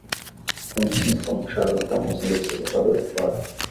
Eu me sinto como um charlatão usando esse elevador embora.